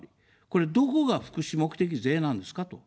これ、どこが福祉目的税なんですかと。